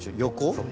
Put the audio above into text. そう。